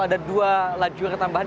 ada dua lajur tambahan